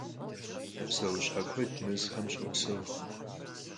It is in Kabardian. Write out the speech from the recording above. Pseuşhe kued mezxem şopseu.